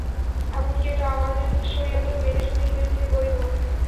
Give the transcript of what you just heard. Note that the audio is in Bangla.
এমনকি এটা আমাদের শরীয়তেও মেয়েদের জন্য ঈদের দিনে বৈধ।